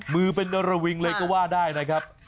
มือเป็นระวิงเลยก็ว่าได้นะครับ